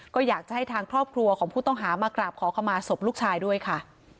ก็อยากจะให้ทางครอบครัวของผู้ต้องหามากราบขอขมาศพลูกชายด้วยค่ะ